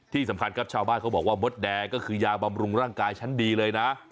ที่สำคัญครับชาวบ้านเขาบอกว่ามดแดงก็คือยาบำรุงร่างกายชั้นดีเลยนะ